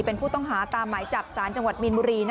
เป็นผู้ต้องหาตามหมายจับสารจังหวัดมีนบุรี